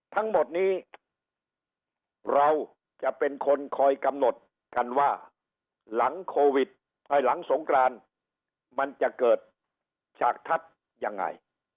ทั้งหมดนี้เราจะเป็นคนคอยกำหนดกันว่าหลังโควิดภายหลังสงกรานมันจะเกิดฉากทัศน์ยังไง